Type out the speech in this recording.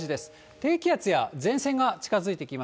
低気圧や前線が近づいてきます。